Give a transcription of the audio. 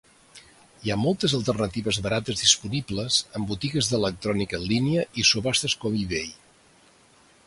Hi ha moltes alternatives barates disponibles en botigues d'electrònica en línia i subhastes com eBay.